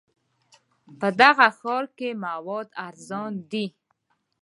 په دغه ښار کې مواد ارزانه دي.